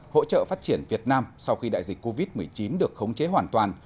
hỗ trợ phát triển việt nam sau khi đại dịch covid một mươi chín được khống chế hoàn toàn